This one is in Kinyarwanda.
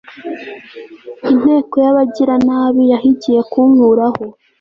inteko y'abagiranabi yahigiye kunkuraho